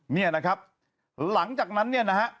เนี่ยนะครับหลังจากนั้นเนี่ยนะฮะ